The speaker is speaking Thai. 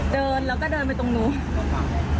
เดินแล้วก็เดินไปตรงนู้น